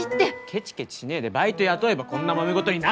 ケチケチしねえでバイト雇えばこんなもめ事になんねえんだよ！